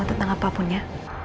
tentang apapun ya